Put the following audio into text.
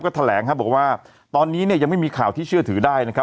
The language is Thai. ก็แถลงบอกว่าตอนนี้เนี่ยยังไม่มีข่าวที่เชื่อถือได้นะครับ